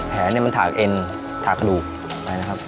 แหเนี่ยมันถากเอ็นถากระดูกไปนะครับ